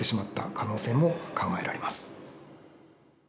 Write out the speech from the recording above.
可能性も考えられます。